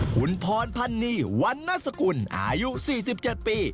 คุณพรพันนีวันนัสกุลอายุ๔๗ปี